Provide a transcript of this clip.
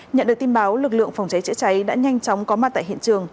nhận được tin báo lực lượng phòng cháy chữa cháy đã nhanh chóng có mặt tại hiện trường